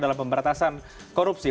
dalam pemberantasan korupsi